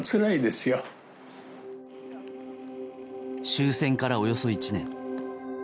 終戦からおよそ１年。